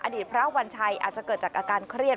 พระวัญชัยอาจจะเกิดจากอาการเครียด